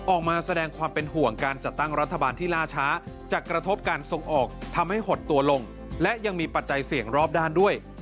ออกมาแสดงความเป็นห่วงการจัดตั้งรัฐบาลที่ล่าช้าจะกระทบการส่งออกทำให้หดตัวลงและยังมีปัจจัยเสี่ยงรอบด้านด้วย